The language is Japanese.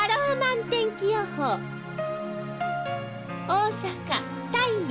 大阪太陽。